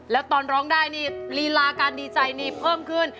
แล้วตอนร้องได้นี่ลีลาการดีใจนี่เพิ่มขึ้น